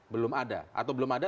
belum ada atau belum ada